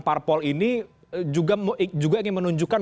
parpol ini juga menunjukkan